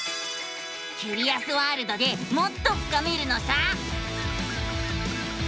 キュリアスワールドでもっと深めるのさ！